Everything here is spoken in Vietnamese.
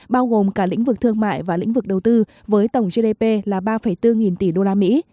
bao gồm cả lĩnh vực thương mại và lĩnh vực đầu tư với tổng gdp là ba bốn nghìn tỷ đô la mỹ